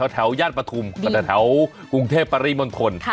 ย่านปฐุมแถวกรุงเทพปริมณฑล